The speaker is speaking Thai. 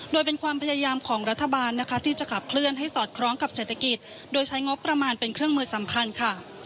โดยเป็นความพยายามของรัฐบาลนะคะที่จะขับเคลื่อนให้สอดคล้องกับเศรษฐกิจโดยใช้งบประมาณเป็นเครื่องมือสำคัญค่ะ